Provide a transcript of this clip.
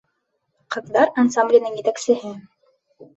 «Ҡыҙҙар» ансамбленең етәксеһе.